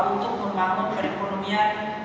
untuk membangun perekonomian